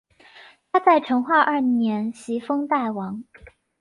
他在成化二年袭封代王。